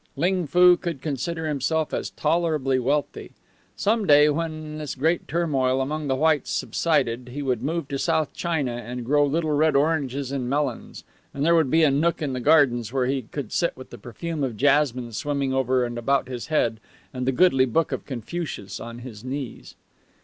Ling Foo could consider himself as tolerably wealthy. Some day, when this great turmoil among the whites subsided, he would move to South China and grow little red oranges and melons, and there would be a nook in the gardens where he could sit with the perfume of jasmine swimming over and about his head and the goodly Book of Confucius on his knees.